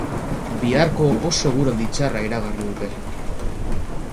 Biharko oso eguraldi txarra iragarri dute